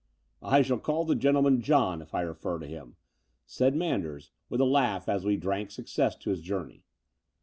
"I shall call the gentleman 'John,' if I refer to him," said Manders, with a laugh, as we drank success to his joimiey.